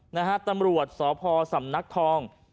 นะฮะตำรวจสพสำนักทอง